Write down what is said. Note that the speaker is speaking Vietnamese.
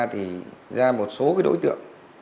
thì ra một số cái đối tượng